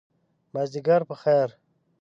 مازدیګر په خیر !